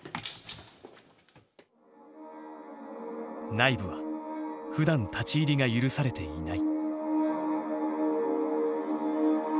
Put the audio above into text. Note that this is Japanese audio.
内部はふだん立ち入りが許されていない。